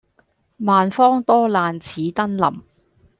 萬方多難此登臨。